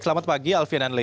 selamat pagi alvin and lady